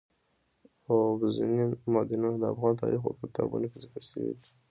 اوبزین معدنونه د افغان تاریخ په کتابونو کې ذکر شوی دي.